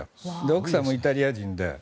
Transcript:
奥さんもイタリア人で。